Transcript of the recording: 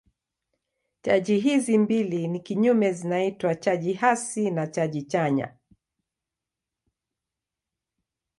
Chaji hizi mbili ni kinyume zinaitwa chaji hasi na chaji chanya.